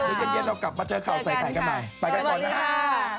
หยุดเย็นเรากลับมาเจอข่าวใส่ไข่กันใหม่ไปกันก่อนนะฮะสวัสดีค่ะ